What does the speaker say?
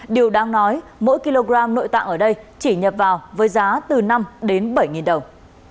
điều đáng nói mỗi kg nội tạng ở đây chỉ nhập vào với giá từ năm đến bảy đồng